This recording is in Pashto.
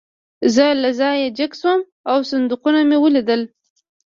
زه له ځایه جګ شوم او صندوقونه مې ولیدل